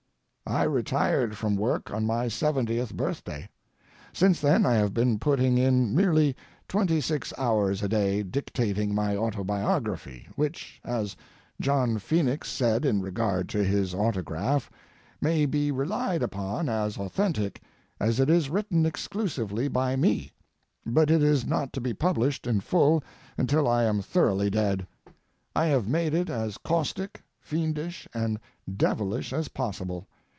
I retired from work on my seventieth birthday. Since then I have been putting in merely twenty six hours a day dictating my autobiography, which, as John Phoenix said in regard to his autograph, may be relied upon as authentic, as it is written exclusively by me. But it is not to be published in full until I am thoroughly dead. I have made it as caustic, fiendish, and devilish as possible.